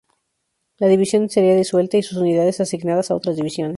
La división sería disuelta, y sus unidades asignadas a otras divisiones.